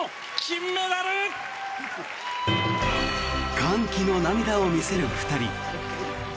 歓喜の涙を見せる２人。